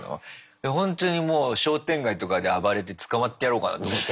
ほんとにもう商店街とかで暴れて捕まってやろうかなと思った。